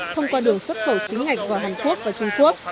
thông qua đường xuất khẩu chính ngạch vào hàn quốc và trung quốc